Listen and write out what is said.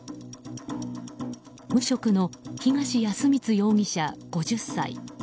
無職の東保充容疑者、５０歳。